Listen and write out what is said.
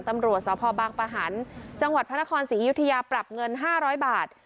ตำรวจสพบางปะหันต์จังหวัดพระนครศรีอยุธยาปรับเงิน๕๐๐บาท